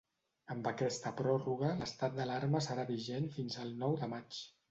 Amb aquesta pròrroga, l’estat d’alarma serà vigent fins al nou de maig.